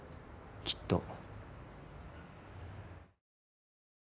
きっと。